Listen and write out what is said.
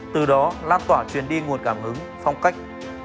từ đó lan tỏa truyền đi nguồn cảm hứng phong cách